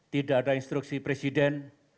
tidak ada instruksi presiden